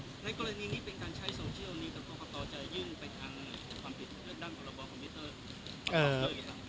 ในกรณีนี้เป็นการใช้โซเชียลนี้ก็ความความความต่อจะยื่นไปทางความผิดเรื่องด้านการระบบคอมพิวเตอร์